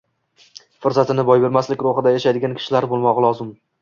fursatini boy bermaslik ruhida yashaydigan kishilar bo‘lmog‘i lozim.